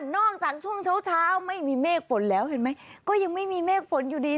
จากช่วงเช้าเช้าไม่มีเมฆฝนแล้วเห็นไหมก็ยังไม่มีเมฆฝนอยู่ดี